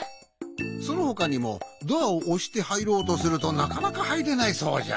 そのほかにもドアをおしてはいろうとするとなかなかはいれないそうじゃ。